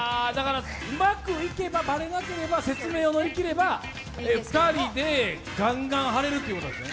うまくいけば、バレなければ、説明を乗り切れば２人でガンガン貼れるということですね。